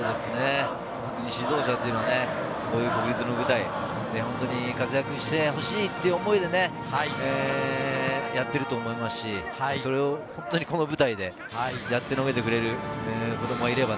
指導者というのは、本当に国立の舞台で活躍してほしいという思いで、やっていると思いますし、本当にこの舞台でやってのけてくれる。